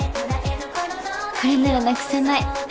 これならなくさない。